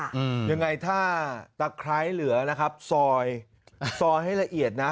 อืมยังไงถ้าตะไคร้เหลือนะครับซอยซอยซอยให้ละเอียดนะ